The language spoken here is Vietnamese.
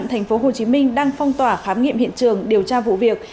thành phố hồ chí minh đang phong tỏa khám nghiệm hiện trường điều tra vụ việc